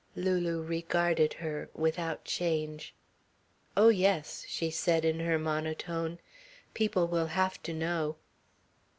Lulu regarded her, without change. "Oh, yes," she said in her monotone. "People will have to know."